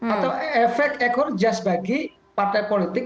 atau efek ekor jas bagi partai politik